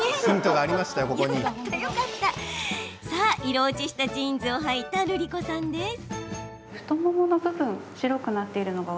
色落ちしたジーンズをはいたるりこさんです。